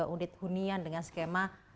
unit hunian dengan skema